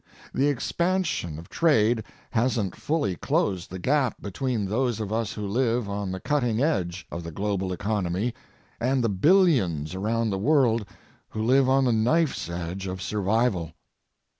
The expansion of trade hasn't fully closed the gap between those of us who live on the cutting edge of the global economy and the billions around the world who live on the knife's edge of survival.